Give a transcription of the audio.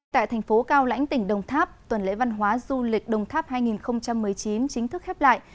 tại thành phố cao lãnh tỉnh đồng tháp tuần lễ văn hóa du lịch đồng tháp hai nghìn một mươi chín chính thức khép lại